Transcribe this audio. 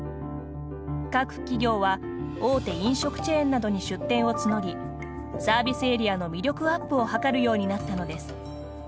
各企業は大手飲食チェーンなどに出店を募りサービスエリアの魅力アップを図るようになったのです。